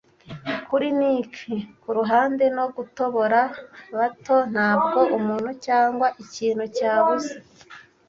Kuri niches kuruhande no gutobora bato, ntabwo umuntu cyangwa ikintu cyabuze,